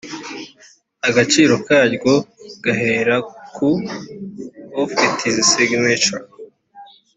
Agaciro karyo gahera ku of its signature